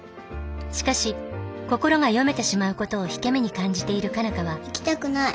しかし心が読めてしまうことを引け目に感じている佳奈花は行きたくない。